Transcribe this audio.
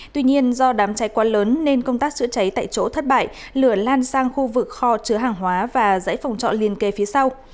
tuy nhiên do đám cháy quá lớn nên công tác chữa cháy tại chỗ thất bại lửa lan sang khu vực kho chứa hàng hóa và dãy phòng trọ liên kế phía sau